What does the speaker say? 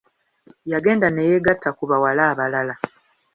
Yagenda ne yeegatta ku bawala abalala.